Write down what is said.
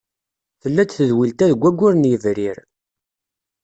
Tella-d tedwilt-a deg waggur n yebrir.